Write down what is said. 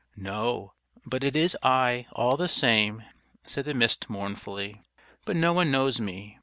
"No; but it is I all the same," said the Mist mournfully. "But no one knows me.